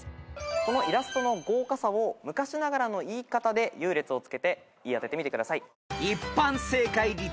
このイラストの豪華さを昔ながらの言い方で優劣をつけて言い当ててみてください。